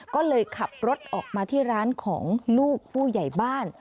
ก็เลยขับรถออกมาที่ร้านของลูกผู้ใหญ่บ้าน